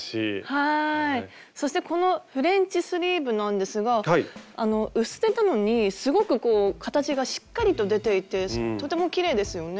そしてこのフレンチスリーブなんですが薄手なのにすごくこう形がしっかりと出ていてとてもきれいですよね。